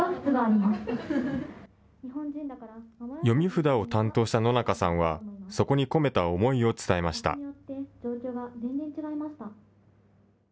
読み札を担当した野中さんはそこに込めた思いを伝えました。